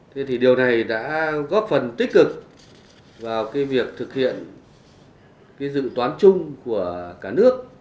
thế thì điều này đã góp phần tích cực vào việc thực hiện dự toán chung của cả nước